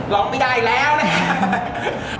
ร้องไม่ได้แล้วเนี่ย